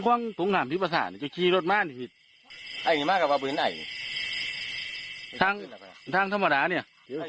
พอรถกลับออกมานี่กลับของพิพธิภาษาเนี่ย